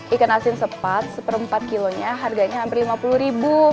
ikan asin sepat seperempat kilonya harganya hampir lima puluh ribu